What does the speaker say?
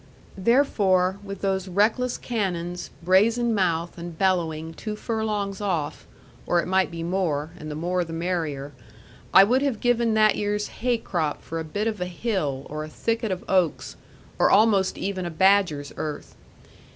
Therefore, with those reckless cannons, brazen mouthed, and bellowing, two furlongs off, or it might be more (and the more the merrier), I would have given that year's hay crop for a bit of a hill, or a thicket of oaks, or almost even a badger's earth.